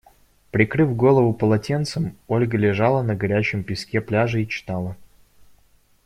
Прикрыв голову полотенцем, Ольга лежала на горячем песке пляжа и читала.